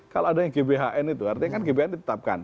kalau adanya gbhn itu artinya kan gbhn ditetapkan